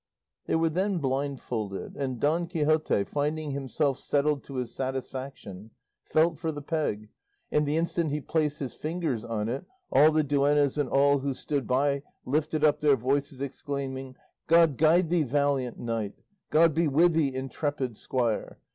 They were then blindfolded, and Don Quixote, finding himself settled to his satisfaction, felt for the peg, and the instant he placed his fingers on it, all the duennas and all who stood by lifted up their voices exclaiming, "God guide thee, valiant knight! God be with thee, intrepid squire!